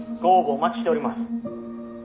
お待ちしております。